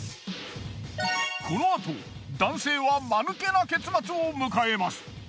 このあと男性はマヌケな結末を迎えます。